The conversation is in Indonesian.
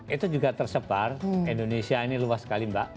itu juga tersebar indonesia ini luas sekali mbak